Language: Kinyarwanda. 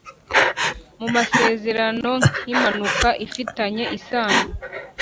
mu masezerano nk impanuka ifitanye isano